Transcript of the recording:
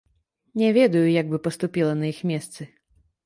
Не ведаю, як бы паступіла на іх месцы.